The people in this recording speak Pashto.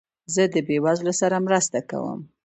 زه د بېوزلو سره مرسته کوم.